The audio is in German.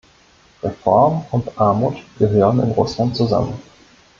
Reform und Armut gehören in Russland zusammen.